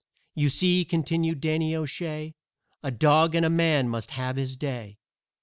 "You see," continued Danny O'Shay, "A dog and a man must have his day.